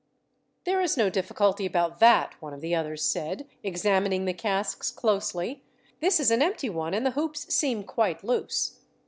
"There is no difficulty about that," one of the others said, examining the casks closely. "This is an empty one, and the hoops seem quite loose."